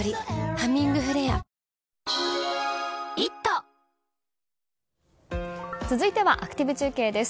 「ハミングフレア」続いてはアクティブ中継です。